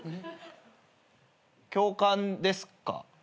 教官ですか？